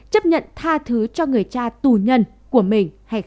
chấp nhận tha thứ cho người cha tù nhân của mình hay không